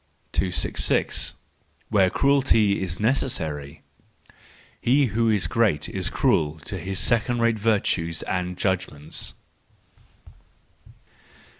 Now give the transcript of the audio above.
266. Where Cruelty is Necessary .—He who is great is cruel to his second rate virtues and judgments.